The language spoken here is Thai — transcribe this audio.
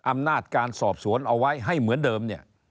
อำนาจการสอบสวนเอาไว้ให้เหมือนเดิมเนี่ย